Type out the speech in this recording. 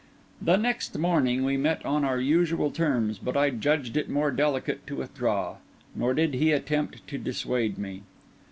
The next morning, we met on our usual terms; but I judged it more delicate to withdraw; nor did he attempt to dissuade me.